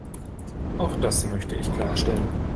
Auch das möchte ich klarstellen.